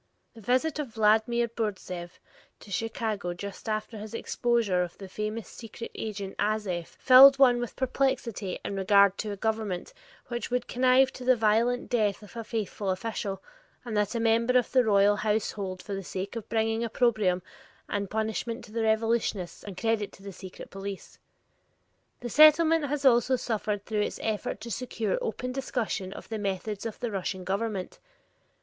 The visit of Vladimir Bourtzeff to Chicago just after his exposure of the famous secret agent, Azeff, filled one with perplexity in regard to a government which would connive at the violent death of a faithful official and that of a member of the royal household for the sake of bringing opprobrium and punishment to the revolutionists and credit to the secret police. The Settlement has also suffered through its effort to secure open discussion of the methods of the Russian government.